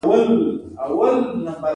هغوی د ژمنې په بڼه رڼا سره ښکاره هم کړه.